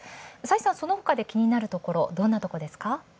崔さん、そのほかで気になるところ、どんなところですか？